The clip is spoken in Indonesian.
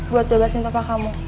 buat bebasin papa kamu